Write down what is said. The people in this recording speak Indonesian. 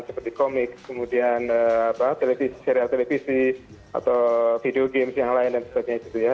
seperti komik kemudian serial televisi atau video game yang lain dan sebagainya